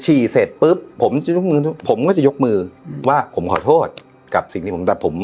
ฉี่เสร็จปุ๊บผมจะยกมือผมก็จะยกมืออืมว่าผมขอโทษกับสิ่งที่ผมตัดผม